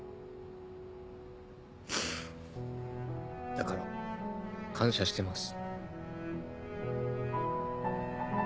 だから感謝してます。